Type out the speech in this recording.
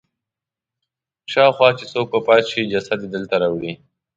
شاوخوا چې څوک وفات شي جسد یې دلته راوړي.